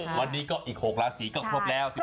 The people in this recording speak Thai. วันนี้ก็อีก๖ราศีก็ครบแล้ว